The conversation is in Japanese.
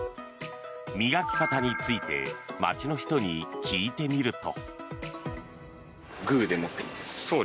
磨き方について街の人に聞いてみると。